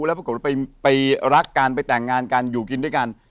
แล้วปรากฏว่าไปรักกันไปแต่งงานกันอยู่กินด้วยกัน